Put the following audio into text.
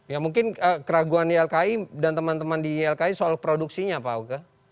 ya mungkin keraguan ylki dan teman teman di ylki soal produksinya pak oke